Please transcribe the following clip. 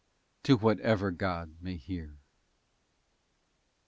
To whatever god may hear.